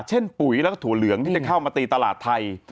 ปุ๋ยแล้วก็ถั่วเหลืองที่จะเข้ามาตีตลาดไทย